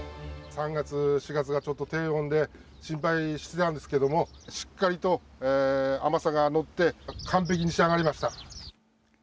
３月、４月がちょっと低温で心配してたんですけれども、しっかりと甘さが乗って完璧に仕上がりました。